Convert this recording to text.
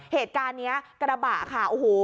เหตุการณ์นี้กระบะค่ะโอ้โห